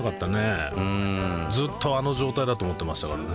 楽しくずっとあの状態だと思ってましたからね。